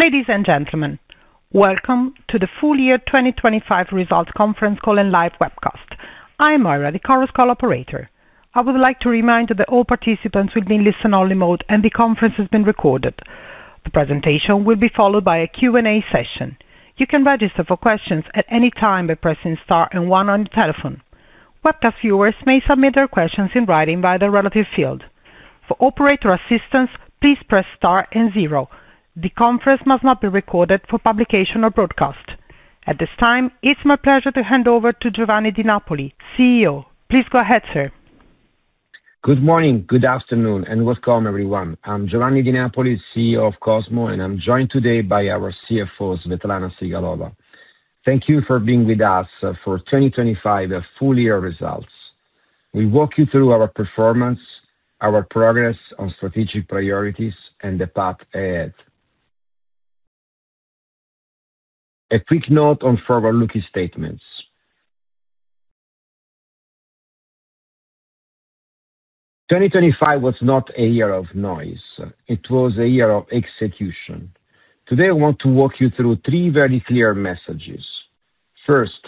Ladies and gentlemen, welcome to the full year 2025 results conference call and live webcast. I am Ira, the conference call operator. I would like to remind you that all participants will be in listen only mode, and the conference is being recorded. The presentation will be followed by a Q&A session. You can register for questions at any time by pressing star and one on your telephone. Webcast viewers may submit their questions in writing via the relative field. For operator assistance, please press star and zero. The conference must not be recorded for publication or broadcast. At this time, it's my pleasure to hand over to Giovanni Di Napoli, CEO. Please go ahead, sir. Good morning, good afternoon, welcome, everyone. I'm Giovanni Di Napoli, CEO of Cosmo, and I'm joined today by our CFO, Svetlana Sigalova. Thank you for being with us for 2025 full year results. We walk you through our performance, our progress on strategic priorities, and the path ahead. A quick note on forward-looking statements. 2025 was not a year of noise. It was a year of execution. Today, I want to walk you through three very clear messages. First,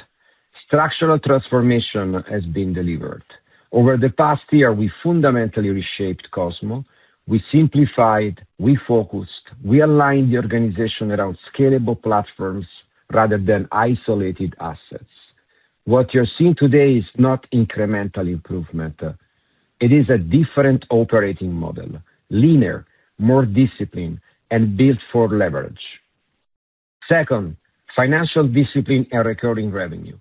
structural transformation has been delivered. Over the past year, we fundamentally reshaped Cosmo. We simplified, we focused, we aligned the organization around scalable platforms rather than isolated assets. What you're seeing today is not incremental improvement. It is a different operating model, leaner, more disciplined, and built for leverage. Second, financial discipline and recurring revenue.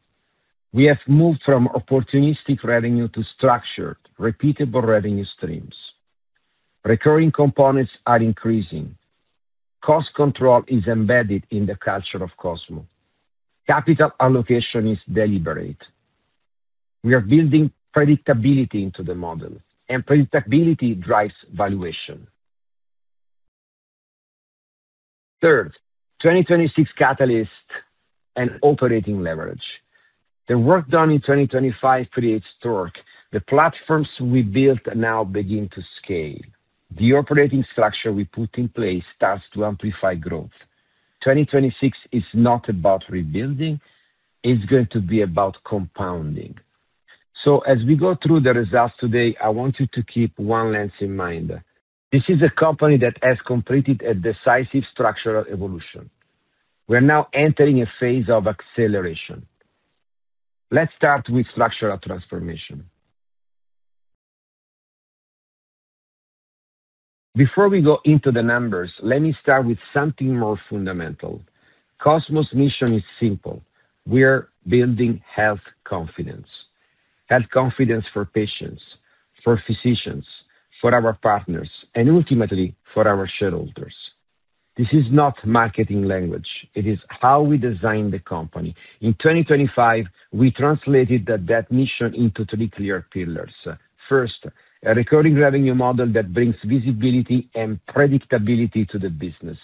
We have moved from opportunistic revenue to structured, repeatable revenue streams. Recurring components are increasing. Cost control is embedded in the culture of Cosmo. Capital allocation is deliberate. We are building predictability into the model, and predictability drives valuation. Third, 2026 catalyst and operating leverage. The work done in 2025 creates torque. The platforms we built now begin to scale. The operating structure we put in place starts to amplify growth. 2026 is not about rebuilding, it's going to be about compounding. As we go through the results today, I want you to keep one lens in mind. This is a company that has completed a decisive structural evolution. We are now entering a phase of acceleration. Let's start with structural transformation. Before we go into the numbers, let me start with something more fundamental. Cosmo's mission is simple. We are building health confidence, health confidence for patients, for physicians, for our partners, and ultimately for our shareholders. This is not marketing language, it is how we design the company. In 2025, we translated that mission into three clear pillars. First, a recurring revenue model that brings visibility and predictability to the business.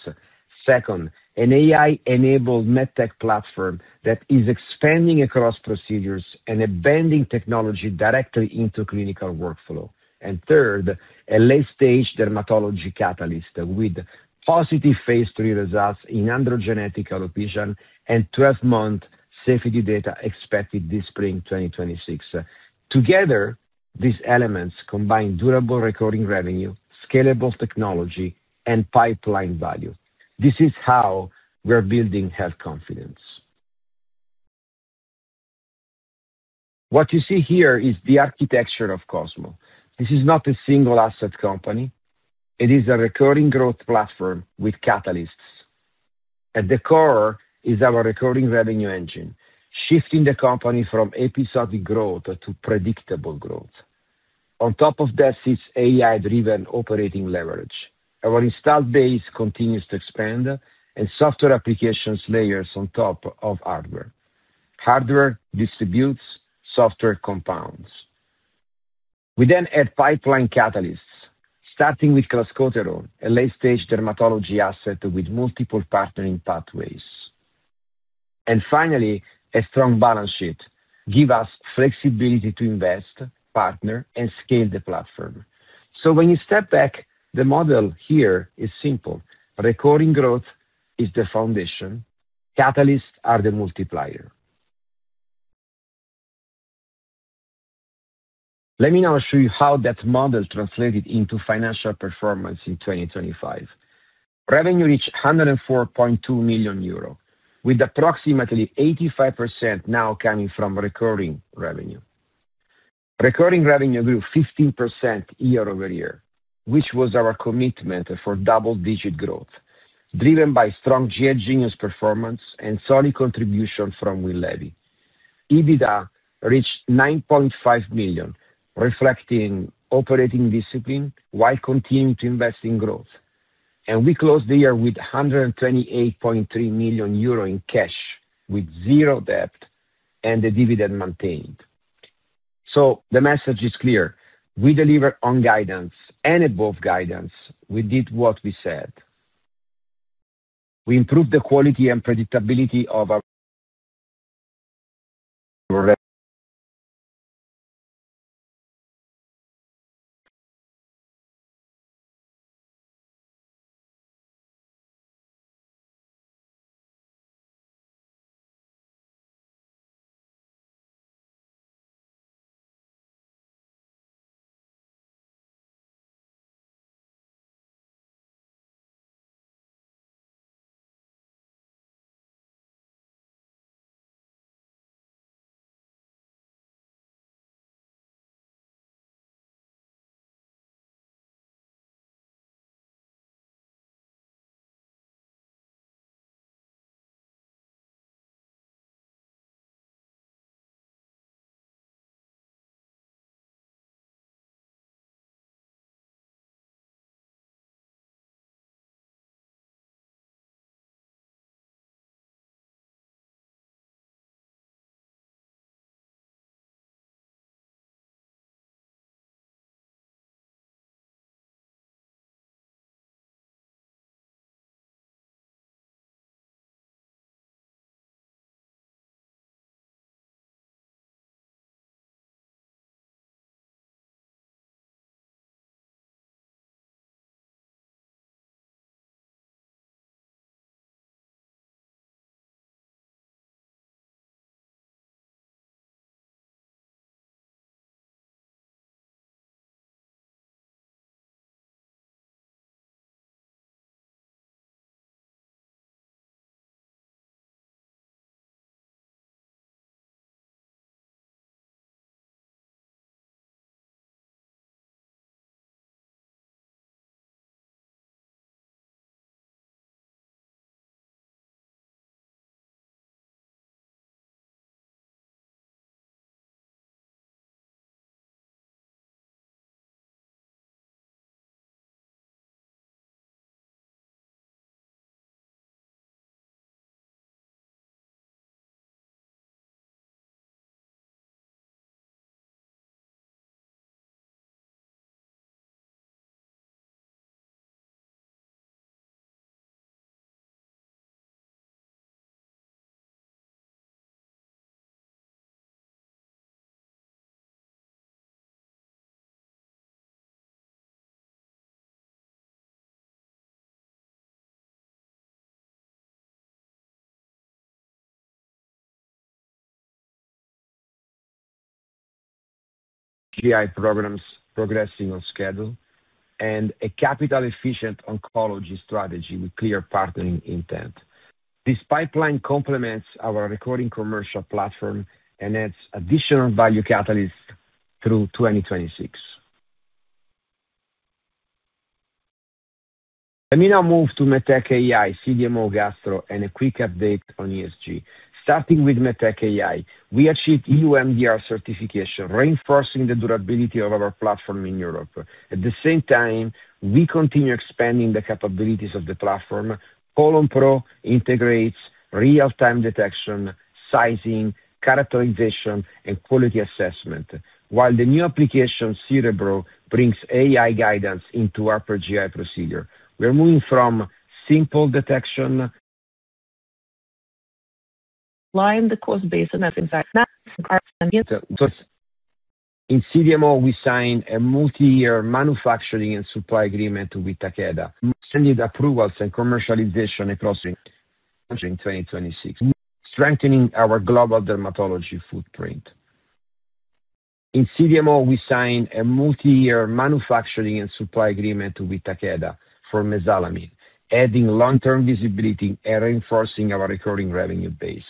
Second, an AI-enabled med tech platform that is expanding across procedures and embedding technology directly into clinical workflow. Third, a late-stage dermatology catalyst with positive phase III results in androgenetic alopecia and 12-month safety data expected this spring, 2026. Together, these elements combine durable recurring revenue, scalable technology, and pipeline value. This is how we're building health confidence. What you see here is the architecture of Cosmo. This is not a single asset company. It is a recurring growth platform with catalysts. At the core is our recurring revenue engine, shifting the company from episodic growth to predictable growth. On top of that is AI-driven operating leverage. Our installed base continues to expand and software applications layers on top of hardware. Hardware distributes, software compounds. We add pipeline catalysts, starting with clascoterone, a late-stage dermatology asset with multiple partnering pathways. Finally, a strong balance sheet give us flexibility to invest, partner, and scale the platform. When you step back, the model here is simple. Recurring growth is the foundation. Catalysts are the multiplier. Let me now show you how that model translated into financial performance in 2025. Revenue reached 104.2 million euro, with approximately 85% now coming from recurring revenue. Recurring revenue grew 15% year-over-year, which was our commitment for double-digit growth, driven by strong GI Genius performance and solid contribution from Winlevi. EBITDA reached 9.5 million, reflecting operating discipline while continuing to invest in growth. We closed the year with 128.3 million euro in cash, with zero debt and the dividend maintained. The message is clear. We delivered on guidance and above guidance. We did what we said. We improved the quality and predictability of our GI programs progressing on schedule, and a capital efficient oncology strategy with clear partnering intent. This pipeline complements our recording commercial platform and adds additional value catalyst through 2026. Let me now move to MedTech AI, CDMO Gastro, and a quick update on ESG. Starting with MedTech AI, we achieved EU MDR certification, reinforcing the durability of our platform in Europe. At the same time, we continue expanding the capabilities of the platform. colonPRO integrates real-time detection, sizing, characterization, and quality assessment. While the new application, Cerebro, brings AI guidance into upper GI procedure. We are moving from simple detection line the coast basin as in fact maps and graphs and gives. In CDMO, we signed a multi-year manufacturing and supply agreement with Takeda, pending approvals and commercialization across region 2026, strengthening our global dermatology footprint. In CDMO, we signed a multi-year manufacturing and supply agreement with Takeda for Mesalazine, adding long-term visibility and reinforcing our recurring revenue base.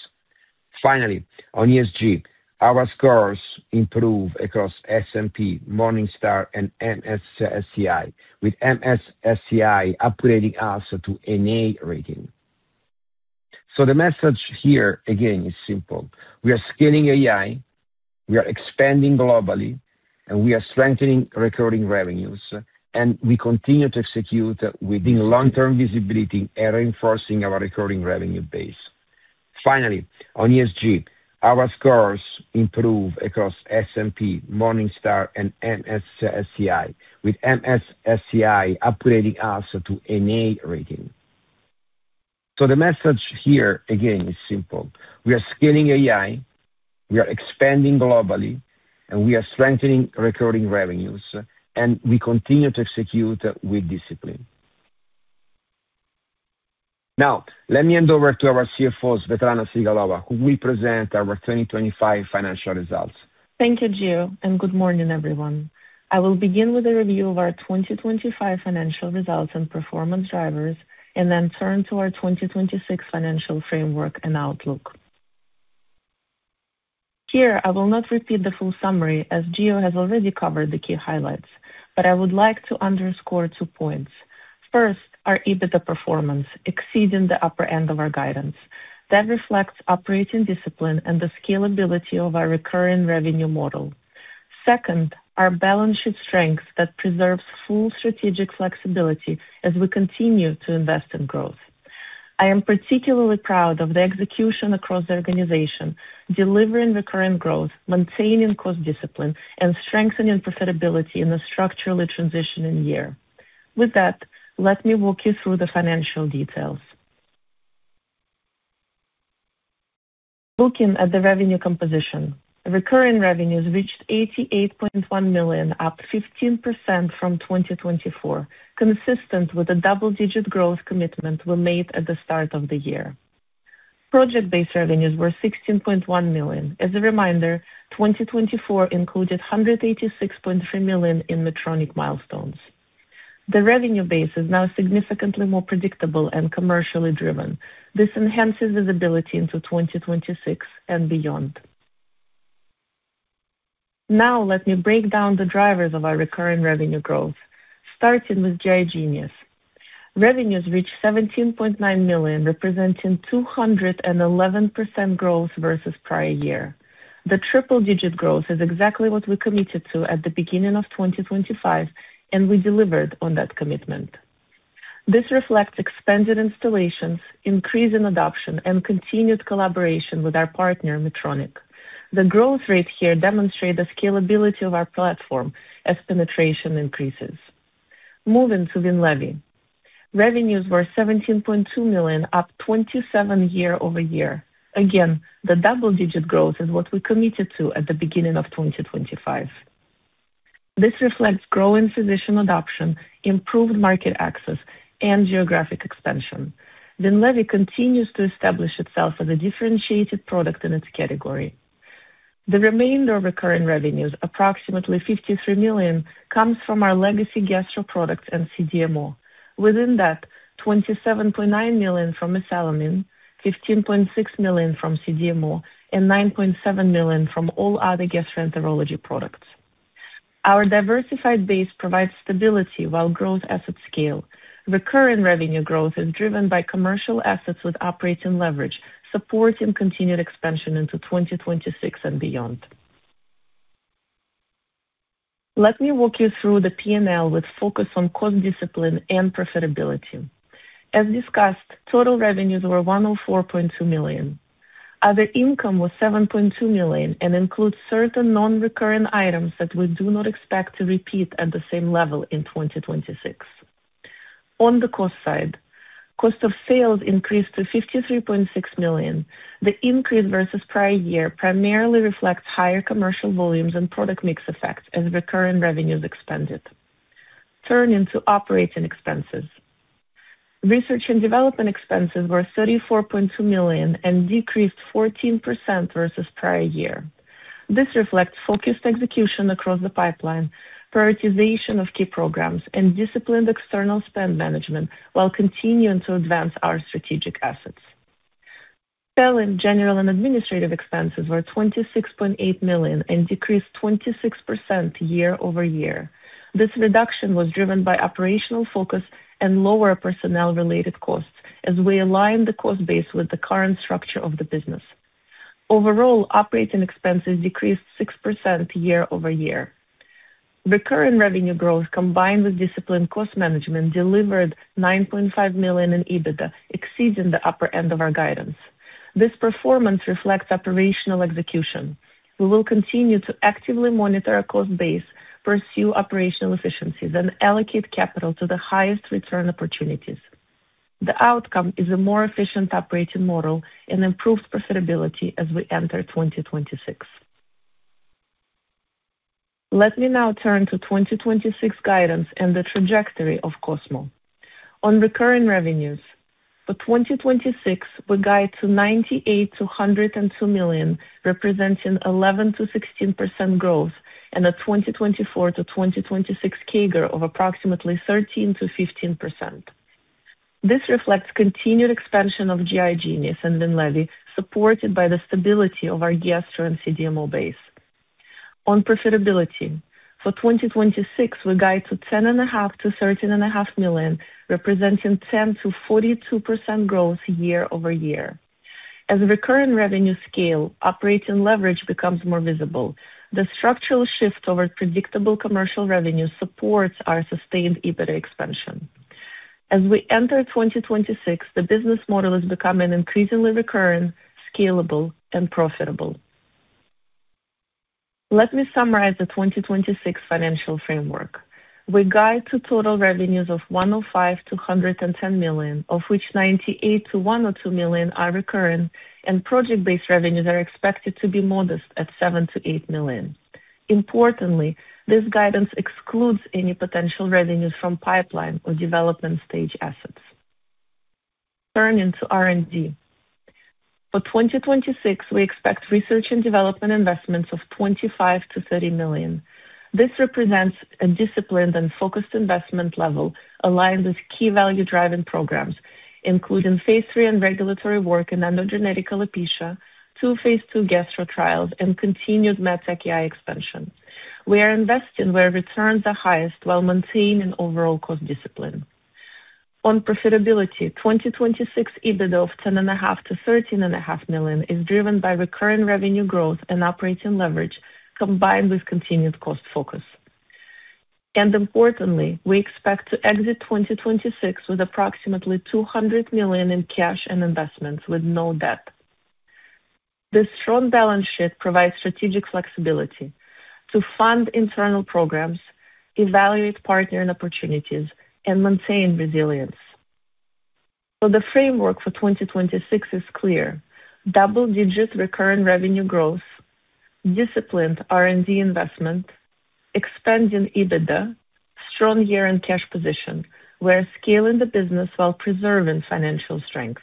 Finally, on ESG, our scores improve across S&P, Morningstar, and MSCI, with MSCI upgrading us to A rating. The message here, again, is simple. We are scaling AI, we are expanding globally, and we are strengthening recurring revenues, and we continue to execute with discipline. Building long-term visibility and reinforcing our recurring revenue base. Finally, on ESG, our scores improve across S&P, Morningstar, and MSCI, with MSCI upgrading us to A rating. The message here, again, is simple. We are scaling AI, we are expanding globally, and we are strengthening recurring revenues, and we continue to execute with discipline. Now, let me hand over to our CFO, Svetlana Sigalova, who will present our 2025 financial results. Thank you, Gio. Good morning, everyone. I will begin with a review of our 2025 financial results and performance drivers, and then turn to our 2026 financial framework and outlook. Here, I will not repeat the full summary as Gio has already covered the key highlights, but I would like to underscore two points. First, our EBITDA performance exceeding the upper end of our guidance. That reflects operating discipline and the scalability of our recurring revenue model. Second, our balance sheet strength that preserves full strategic flexibility as we continue to invest in growth. I am particularly proud of the execution across the organization, delivering recurring growth, maintaining cost discipline, and strengthening profitability in a structurally transitioning year. With that, let me walk you through the financial details. Looking at the revenue composition. Recurring revenues reached 88.1 million, up 15% from 2024, consistent with the double-digit growth commitment we made at the start of the year. Project-based revenues were 16.1 million. As a reminder, 2024 included 186.3 million in Medtronic milestones. The revenue base is now significantly more predictable and commercially driven. This enhances visibility into 2026 and beyond. Let me break down the drivers of our recurring revenue growth, starting with GI Genius. Revenues reached 17.9 million, representing 211% growth versus prior year. The triple-digit growth is exactly what we committed to at the beginning of 2025, and we delivered on that commitment. This reflects expanded installations, increase in adoption, and continued collaboration with our partner, Medtronic. The growth rate here demonstrate the scalability of our platform as penetration increases. Moving to Winlevi. Revenues were 17.2 million, up 27% year-over-year. The double-digit growth is what we committed to at the beginning of 2025. This reflects growing physician adoption, improved market access and geographic expansion. Winlevi continues to establish itself as a differentiated product in its category. The remainder of recurring revenues, approximately 53 million, comes from our legacy gastro products and CDMO. Within that, 27.9 million from mesalamine, 15.6 million from CDMO, and 9.7 million from all other gastroenterology products. Our diversified base provides stability while growth assets scale. Recurring revenue growth is driven by commercial assets with operating leverage, supporting continued expansion into 2026 and beyond. Let me walk you through the P&L with focus on cost discipline and profitability. As discussed, total revenues were 104.2 million. Other income was 7.2 million and includes certain non-recurring items that we do not expect to repeat at the same level in 2026. On the cost side, cost of sales increased to 53.6 million. The increase versus prior year primarily reflects higher commercial volumes and product mix effects as recurring revenues expanded. Turning to operating expenses. Research and development expenses were 34.2 million and decreased 14% versus prior year. This reflects focused execution across the pipeline, prioritization of key programs, and disciplined external spend management while continuing to advance our strategic assets. Selling, general and administrative expenses were 26.8 million and decreased 26% year-over-year. This reduction was driven by operational focus and lower personnel-related costs as we align the cost base with the current structure of the business. Overall, operating expenses decreased 6% year-over-year. Recurring revenue growth combined with disciplined cost management delivered 9.5 million in EBITDA, exceeding the upper end of our guidance. This performance reflects operational execution. We will continue to actively monitor our cost base, pursue operational efficiencies, and allocate capital to the highest return opportunities. The outcome is a more efficient operating model and improved profitability as we enter 2026. Let me now turn to 2026 guidance and the trajectory of Cosmo. On recurring revenues. For 2026, we guide to 98 million-102 million, representing 11%-16% growth and a 2024-2026 CAGR of approximately 13%-15%. This reflects continued expansion of GI Genius and Winlevi, supported by the stability of our gastro and CDMO base. On profitability. For 2026, we guide to ten and a half to thirteen and a half million, representing 10%-42% growth year-over-year. As recurring revenues scale, operating leverage becomes more visible. The structural shift toward predictable commercial revenue supports our sustained EBITDA expansion. As we enter 2026, the business model is becoming increasingly recurring, scalable, and profitable. Let me summarize the 2026 financial framework. We guide to total revenues of 105 million-110 million, of which 98 million-102 million are recurring and project-based revenues are expected to be modest at 7 million-8 million. Importantly, this guidance excludes any potential revenues from pipeline or development stage assets. Turning to R&D. For 2026, we expect research and development investments of 25 million-30 million. This represents a disciplined and focused investment level aligned with key value-driving programs, including phase III and regulatory work in androgenetic alopecia, two phase II gastro trials, and continued MedTech AI expansion. We are investing where returns are highest while maintaining overall cost discipline. On profitability. 2026 EBITDA of 10.5 million-13.5 million is driven by recurring revenue growth and operating leverage combined with continued cost focus. Importantly, we expect to exit 2026 with approximately 200 million in cash and investments with no debt. This strong balance sheet provides strategic flexibility to fund internal programs, evaluate partnering opportunities, and maintain resilience. The framework for 2026 is clear. Double-digit recurring revenue growth, disciplined R&D investment, expanding EBITDA, strong year-end cash position. We're scaling the business while preserving financial strength.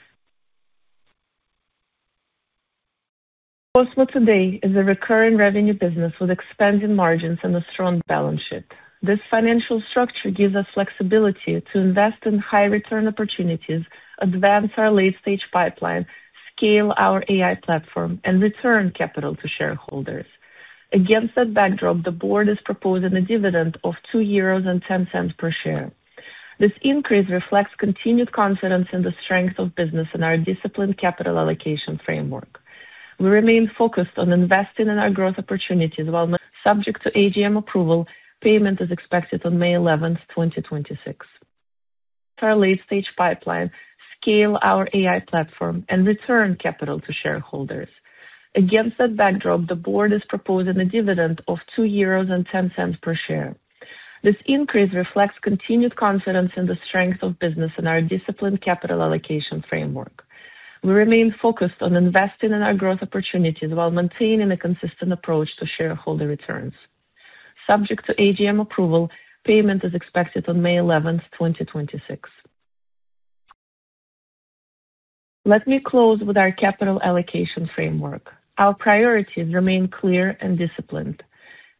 Cosmo today is a recurring revenue business with expanding margins and a strong balance sheet. This financial structure gives us flexibility to invest in high return opportunities, advance our late-stage pipeline, scale our AI platform, and return capital to shareholders. Against that backdrop, the board is proposing a dividend of 2.10 euros per share. This increase reflects continued confidence in the strength of business and our disciplined capital allocation framework. We remain focused on investing in our growth opportunities while subject to AGM approval, payment is expected on May 11, 2026. Our late-stage pipeline scale our AI platform and return capital to shareholders. Against that backdrop, the board is proposing a dividend of 2.10 euros per share. This increase reflects continued confidence in the strength of business and our disciplined capital allocation framework. We remain focused on investing in our growth opportunities while maintaining a consistent approach to shareholder returns. Subject to AGM approval, payment is expected on May 11th, 2026. Let me close with our capital allocation framework. Our priorities remain clear and disciplined.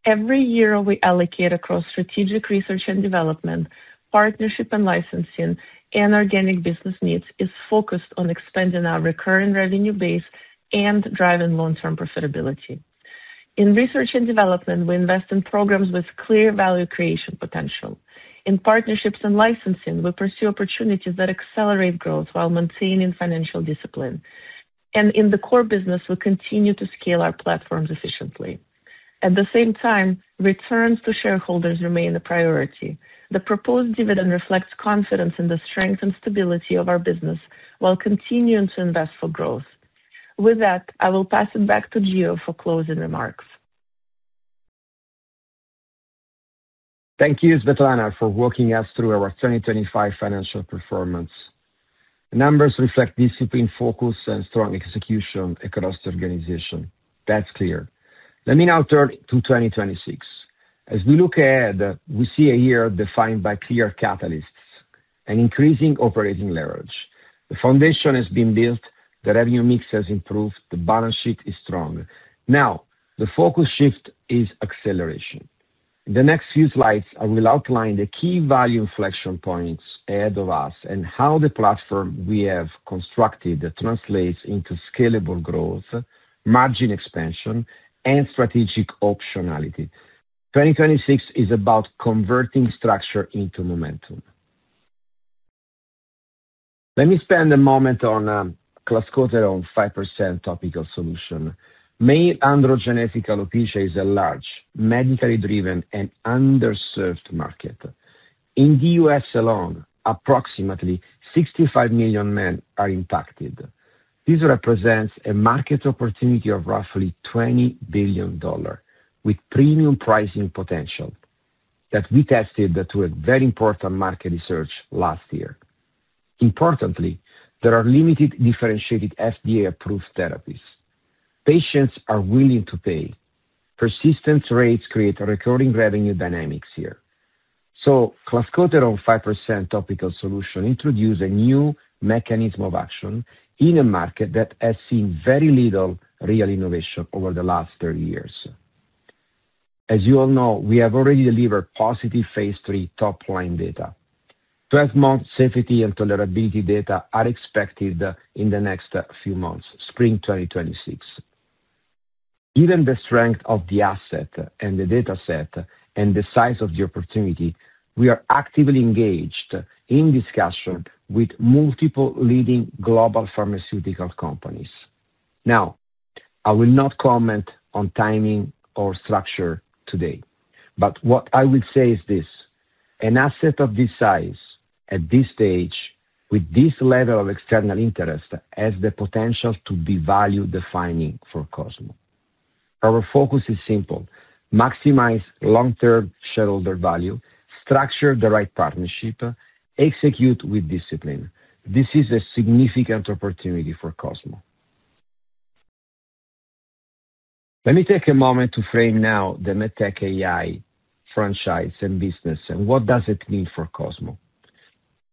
Every year, we allocate across strategic research and development, partnership and licensing, and organic business needs is focused on expanding our recurring revenue base and driving long-term profitability. In research and development, we invest in programs with clear value creation potential. In partnerships and licensing, we pursue opportunities that accelerate growth while maintaining financial discipline. In the core business, we continue to scale our platforms efficiently. At the same time, returns to shareholders remain a priority. The proposed dividend reflects confidence in the strength and stability of our business while continuing to invest for growth. With that, I will pass it back to Gio for closing remarks. Thank you, Svetlana, for walking us through our 2025 financial performance. The numbers reflect discipline, focus and strong execution across the organization. That's clear. Let me now turn to 2026. We look ahead, we see a year defined by clear catalysts and increasing operating leverage. The foundation has been built, the revenue mix has improved, the balance sheet is strong. The focus shift is acceleration. In the next few slides, I will outline the key value inflection points ahead of us and how the platform we have constructed that translates into scalable growth, margin expansion and strategic optionality. 2026 is about converting structure into momentum. Let me spend a moment on clascoterone 5% topical solution. Male androgenetic alopecia is a large, medically driven and underserved market. In the U.S. alone, approximately 65 million men are impacted. This represents a market opportunity of roughly $20 billion with premium pricing potential that we tested through a very important market research last year. Importantly, there are limited differentiated FDA-approved therapies. Patients are willing to pay. Persistence rates create recurring revenue dynamics here. Clascoterone 5% topical solution introduce a new mechanism of action in a market that has seen very little real innovation over the last 30 years. As you all know, we have already delivered positive phase III top line data. 12-month safety and tolerability data are expected in the next few months, spring 2026. Given the strength of the asset and the data set and the size of the opportunity, we are actively engaged in discussion with multiple leading global pharmaceutical companies. I will not comment on timing or structure today, but what I will say is this. An asset of this size at this stage with this level of external interest has the potential to be value-defining for Cosmo. Our focus is simple. Maximize long-term shareholder value, structure the right partnership, execute with discipline. This is a significant opportunity for Cosmo. Let me take a moment to frame now the MedTech AI franchise and business and what does it mean for Cosmo.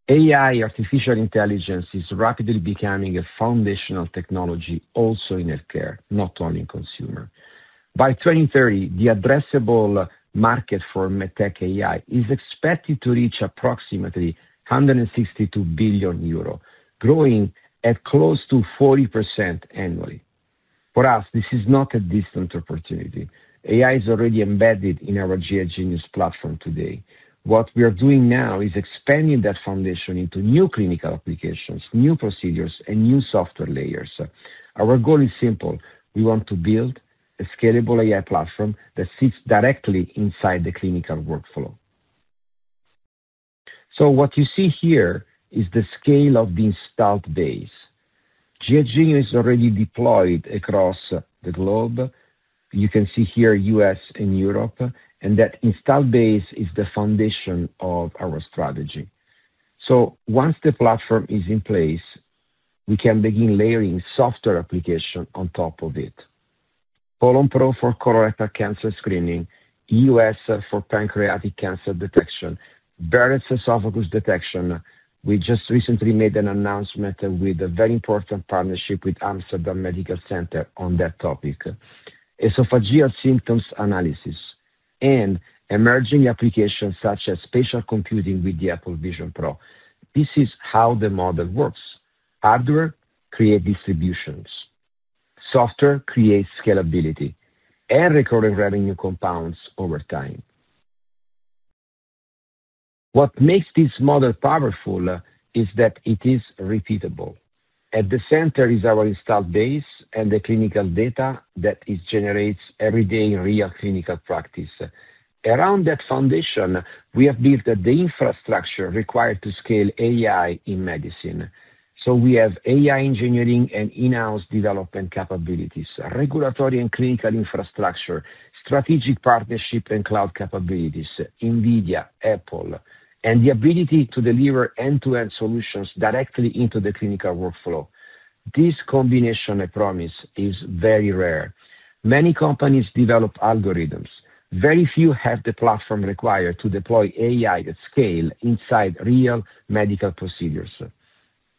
AI, artificial intelligence, is rapidly becoming a foundational technology also in healthcare, not only in consumer. By 2030, the addressable market for MedTech AI is expected to reach approximately 162 billion euro, growing at close to 40% annually. For us, this is not a distant opportunity. AI is already embedded in our GI Genius platform today. What we are doing now is expanding that foundation into new clinical applications, new procedures and new software layers. Our goal is simple. We want to build a scalable AI platform that sits directly inside the clinical workflow. What you see here is the scale of the installed base. GI Genius is already deployed across the globe. You can see here U.S. and Europe, and that installed base is the foundation of our strategy. Once the platform is in place, we can begin layering software application on top of it. colonPRO for colorectal cancer screening, EUS for pancreatic cancer detection, Barrett's esophagus detection. We just recently made an announcement with a very important partnership with Amsterdam UMC on that topic. Esophageal symptoms analysis and emerging applications such as spatial computing with the Apple Vision Pro. This is how the model works. Hardware create distributions, software creates scalability, and recurring revenue compounds over time. What makes this model powerful is that it is repeatable. At the center is our installed base and the clinical data that it generates every day in real clinical practice. Around that foundation, we have built the infrastructure required to scale AI in medicine. We have AI engineering and in-house development capabilities, regulatory and clinical infrastructure, strategic partnership and cloud capabilities, Nvidia, Apple, and the ability to deliver end-to-end solutions directly into the clinical workflow. This combination, I promise, is very rare. Many companies develop algorithms. Very few have the platform required to deploy AI at scale inside real medical procedures.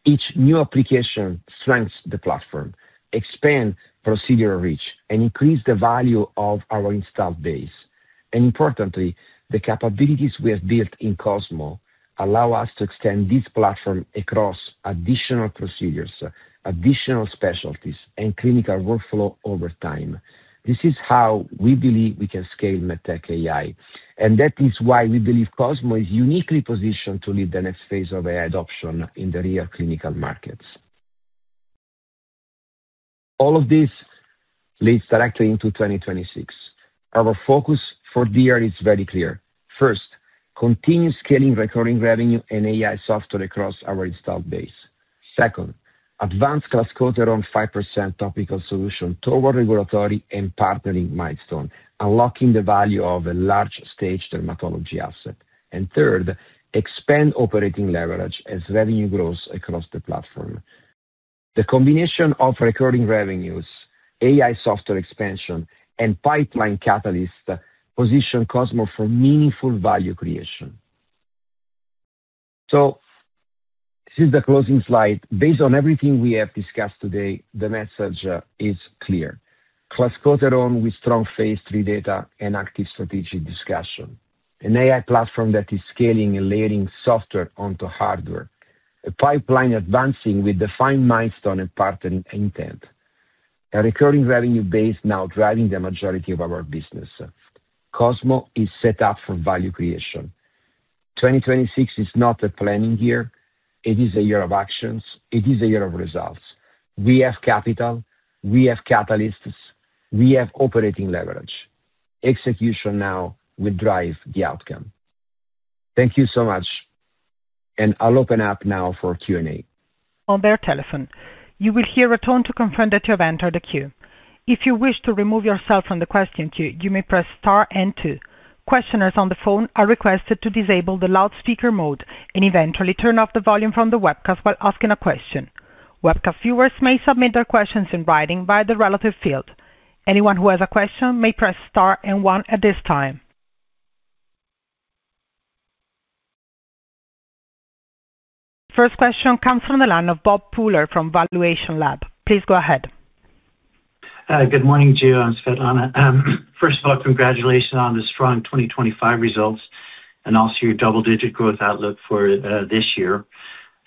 Each new application strengths the platform, expand procedural reach, and increase the value of our installed base. Importantly, the capabilities we have built in Cosmo allow us to extend this platform across additional procedures, additional specialties, and clinical workflow over time. This is how we believe we can scale MedTech AI, that is why we believe Cosmo is uniquely positioned to lead the next phase of AI adoption in the real clinical markets. All of this leads directly into 2026. Our focus for the year is very clear. First, continue scaling recurring revenue and AI software across our installed base. Second, advance clascoterone 5% topical solution toward regulatory and partnering milestone, unlocking the value of a large stage dermatology asset. Third, expand operating leverage as revenue grows across the platform. The combination of recurring revenues, AI software expansion, and pipeline catalyst position Cosmo for meaningful value creation. This is the closing slide. Based on everything we have discussed today, the message is clear. Clascoterone with strong phase III data and active strategic discussion. An AI platform that is scaling and layering software onto hardware. A pipeline advancing with defined milestone and partnering intent. A recurring revenue base now driving the majority of our business. Cosmo is set up for value creation. 2026 is not a planning year, it is a year of actions. It is a year of results. We have capital, we have catalysts, we have operating leverage. Execution now will drive the outcome. Thank you so much, and I'll open up now for Q&A. On their telephone. You will hear a tone to confirm that you have entered a queue. If you wish to remove yourself from the question queue, you may press star and two. Questioners on the phone are requested to disable the loudspeaker mode and eventually turn off the volume from the webcast while asking a question. Webcast viewers may submit their questions in writing via the relative field. Anyone who has a question may press star and one at this time. First question comes from the line of Bob Pooler from valuationLAB. Please go ahead. Good morning, Gio and Svetlana. First of all, congratulations on the strong 2025 results and also your double-digit growth outlook for this year.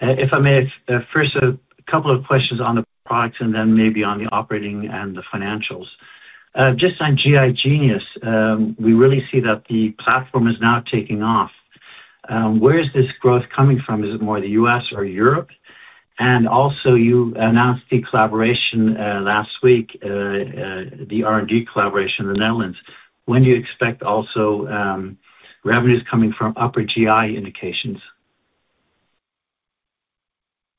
If I may, first a couple of questions on the products and then maybe on the operating and the financials. Just on GI Genius, we really see that the platform is now taking off. Where is this growth coming from? Is it more the US or Europe? Also you announced the collaboration last week, the R&D collaboration in the Netherlands. When do you expect also revenues coming from upper GI indications?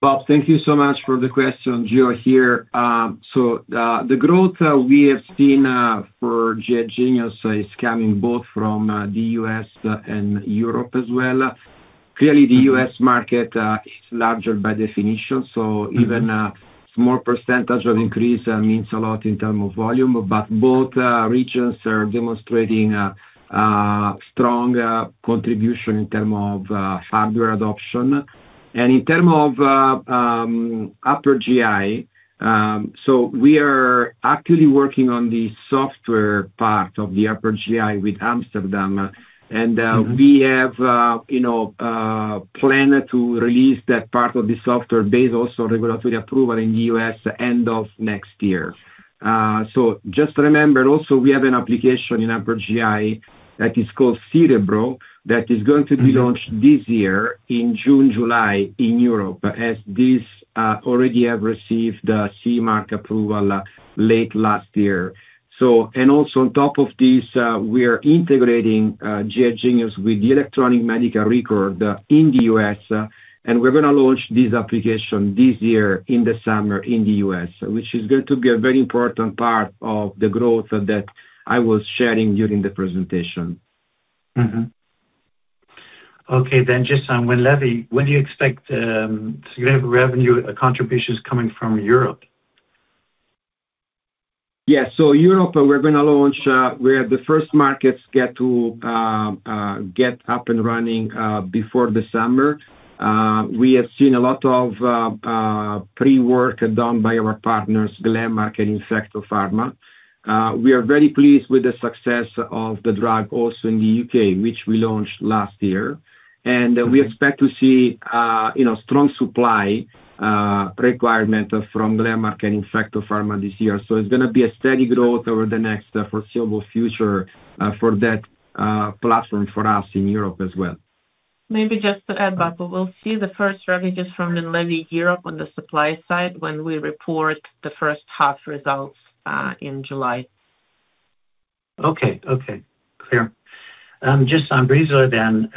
Bob, thank you so much for the question. Gio here. The growth we have seen for GI Genius is coming both from the U.S. and Europe as well. Clearly the U.S. market is larger by definition, so even small percentage of increase means a lot in term of volume. Both regions are demonstrating strong contribution in term of hardware adoption. In term of upper GI, so we are actively working on the software part of the upper GI with Amsterdam. We have, you know, plan to release that part of the software based also regulatory approval in the U.S. end of next year. Just remember also we have an application in upper GI that is called Cerebro, that is going to be launched this year in June, July in Europe, as this already have received the CE marking approval late last year. And also on top of this, we are integrating GI Genius with the electronic medical record in the US, and we're gonna launch this application this year in the summer in the US, which is going to be a very important part of the growth that I was sharing during the presentation. Okay. Just on Winlevi, when do you expect significant revenue contributions coming from Europe? Yeah. Europe, we're going to launch. We're the first markets get to get up and running before December. We have seen a lot of pre-work done by our partners, Glenmark and InfectoPharm. We are very pleased with the success of the drug also in the U.K., which we launched last year. We expect to see, you know, strong supply requirement from Glenmark and InfectoPharm this year. It's going to be a steady growth over the next foreseeable future for that platform for us in Europe as well. Maybe just to add, Bob, we'll see the first revenues from Winlevi Europe on the supply side when we report the first half results in July. Okay. Okay. Clear. Just on Breezula then,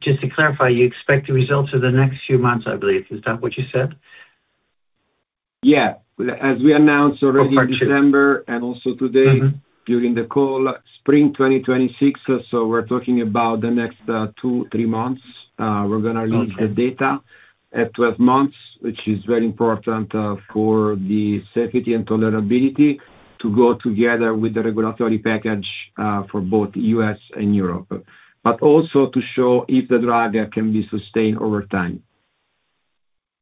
just to clarify, you expect the results of the next few months, I believe. Is that what you said? Yeah. As we announced already December and also today during the call, spring 2026. We're talking about the next 2, 3 months. We're going to release the data at 12 months, which is very important for the safety and tolerability to go together with the regulatory package for both U.S. and Europe. Also to show if the drug can be sustained over time.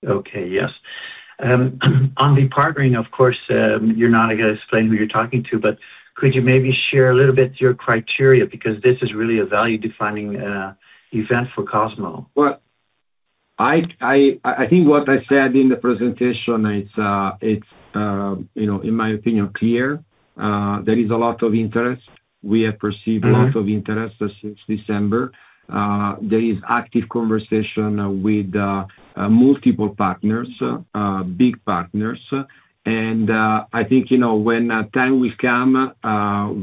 Okay. Yes. On the partnering, of course, you're not going to explain who you're talking to, but could you maybe share a little bit your criteria? Because this is really a value-defining event for Cosmo. Well, I think what I said in the presentation, it's, you know, in my opinion, clear. There is a lot of interest. We have perceived a lot of interest since December. There is active conversation with multiple partners, big partners. I think, you know, when time will come,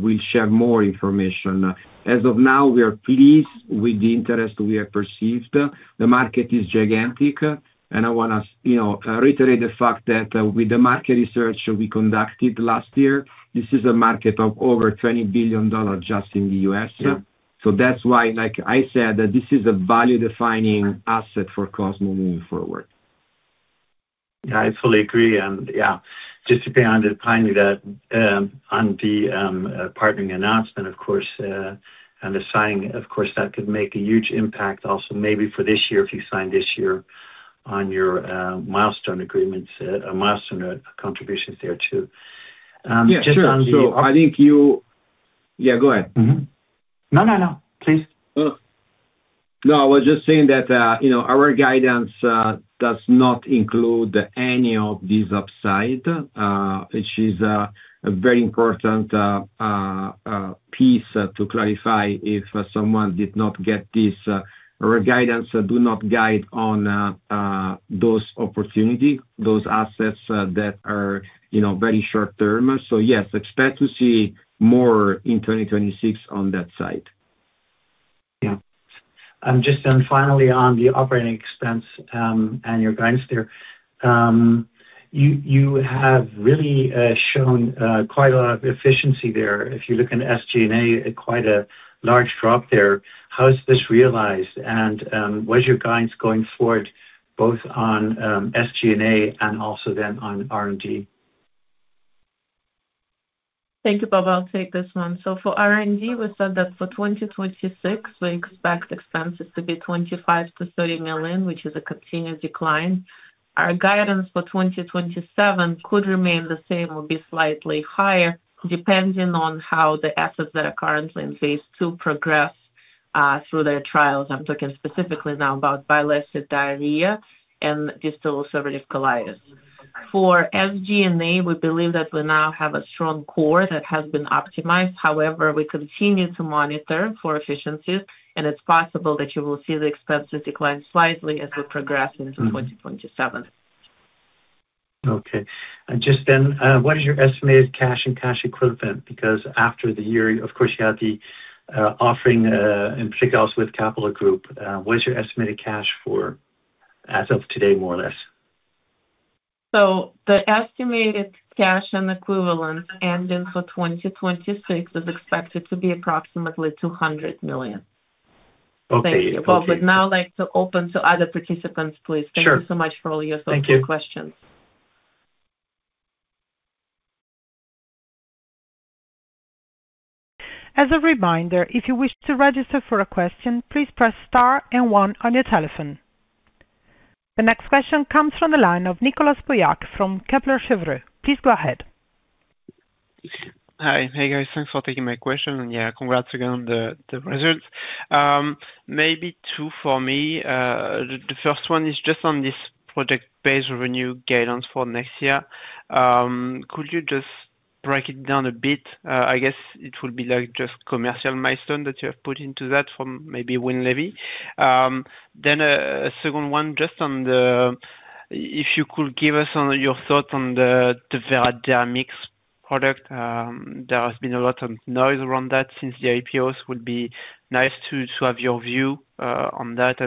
we'll share more information. As of now, we are pleased with the interest we have perceived. The market is gigantic. I want to, you know, reiterate the fact that with the market research we conducted last year, this is a market of over $20 billion just in the U.S. Yeah. That's why, like I said, that this is a value-defining asset for Cosmo moving forward. Yeah, I fully agree. Yeah, just to be on the timing of that, on the partnering announcement, of course, and the signing, of course, that could make a huge impact also maybe for this year, if you sign this year on your milestone agreements, a milestone contributions there too. Yeah. Sure. I think you. Yeah, go ahead. Mm-hmm. No, no. Please. No, I was just saying that, you know, our guidance does not include any of this upside, which is a very important piece to clarify if someone did not get this. Our guidance do not guide on those opportunity, those assets that are, you know, very short-term. Yes, expect to see more in 2026 on that side. Yeah. Just then finally on the operating expense, and your guidance there. You have really shown quite a lot of efficiency there. If you look at SG&A, quite a large drop there. How is this realized? What is your guidance going forward, both on SG&A and also then on R&D? Thank you, Bob. I'll take this one. For R&D, we said that for 2026, we expect expenses to be 25 million-30 million, which is a continuous decline. Our guidance for 2027 could remain the same or be slightly higher, depending on how the assets that are currently in phase II progress through their trials. I'm talking specifically now about bile acid diarrhea and distal ulcerative colitis. For SG&A, we believe that we now have a strong core that has been optimized. However, we continue to monitor for efficiencies, and it's possible that you will see the expenses decline slightly as we progress into 2027. Okay. Just then, what is your estimated cash and cash equivalent? Because after the year, of course, you had the offering, in particular else with Capital Group. What is your estimated cash for as of today, more or less? The estimated cash and equivalent ending for 2026 is expected to be approximately 200 million. Okay. Okay. Thank you, Bob. I'd now like to open to other participants, please. Sure. Thank you so much for all your thoughtful questions. Thank you. As a reminder, if you wish to register for a question, please press star and one on your telephone. The next question comes from the line of Nicolas Pauillac from Kepler Cheuvreux. Please go ahead. Hi. Hey, guys. Thanks for taking my question. Yeah, congrats again on the results. Maybe two for me. The first one is just on this project-based revenue guidance for next year. Could you just break it down a bit? I guess it would be like just commercial milestone that you have put into that from maybe Winlevi. A second one, just on the... If you could give us on your thoughts on the Veradermics product. There has been a lot of noise around that since the IPOs. Would be nice to have your view on that.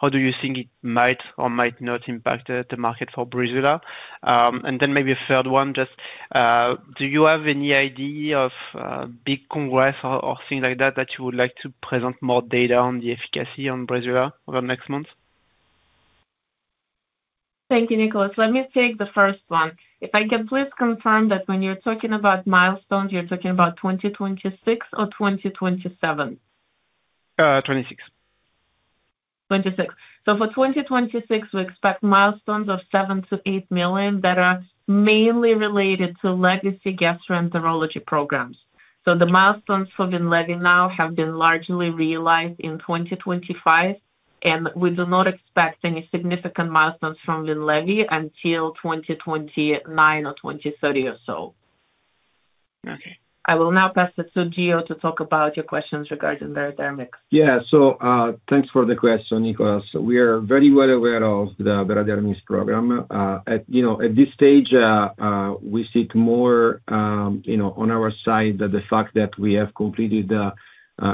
How do you think it might or might not impact the market for Breezula? Then maybe a third one, just, do you have any idea of, big congress or things like that you would like to present more data on the efficacy on Breezula over the next months? Thank you, Nicolas. Let me take the first one. If I can please confirm that when you're talking about milestones, you're talking about 2026 or 2027? 26. 2026. For 2026, we expect milestones of 7 million-8 million that are mainly related to legacy gastroenterology programs. The milestones for Winlevi now have been largely realized in 2025, and we do not expect any significant milestones from Winlevi until 2029 or 2030 or so. Okay. I will now pass it to Gio to talk about your questions regarding Veradermics. Thanks for the question, Nicolas. We are very well aware of the Veradermics program. At, you know, at this stage, we seek more, you know, on our side the fact that we have completed a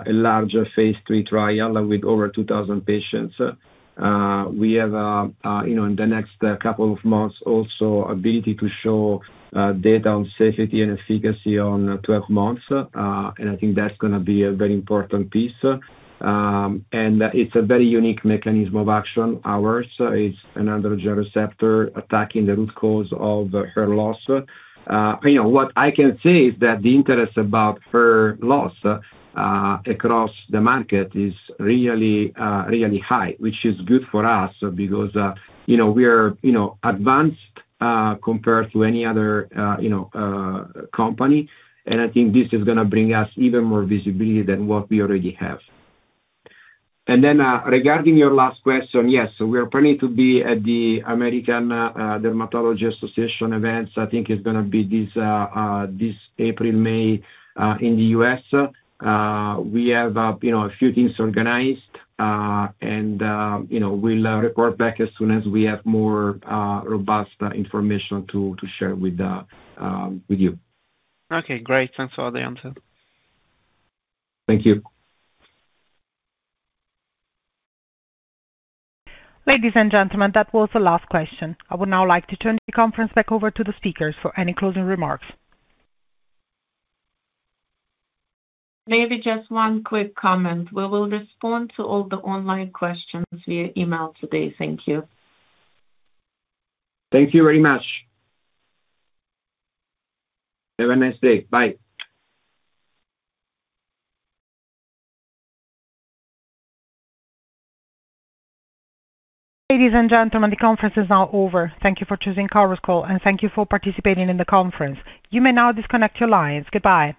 larger phase III trial with over 2,000 patients. We have, you know, in the next couple of months also ability to show data on safety and efficacy on 12 months, and I think that's gonna be a very important piece. It's a very unique mechanism of action. Ours is an androgen receptor attacking the root cause of hair loss. you know, what I can say is that the interest about hair loss across the market is really, really high, which is good for us because, you know, we are, you know, advanced compared to any other, you know, company, and I think this is gonna bring us even more visibility than what we already have. Then, regarding your last question, yes. We are planning to be at the American Dermatology Association events. I think it's gonna be this April, May in the US. We have, you know, a few things organized, and, you know, we'll report back as soon as we have more robust information to share with you. Okay, great. Thanks for the answer. Thank you. Ladies and gentlemen, that was the last question. I would now like to turn the conference back over to the speakers for any closing remarks. Maybe just one quick comment. We will respond to all the online questions via email today. Thank you. Thank you very much. Have a nice day. Bye. Ladies and gentlemen, the conference is now over. Thank you for choosing Conference Call, and thank you for participating in the conference. You may now disconnect your lines. Goodbye.